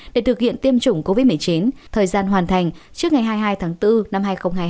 để thực hiện tiêm chủng covid một mươi chín thời gian hoàn thành trước ngày hai mươi hai tháng bốn năm hai nghìn hai mươi